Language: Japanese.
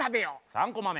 ３コマ目。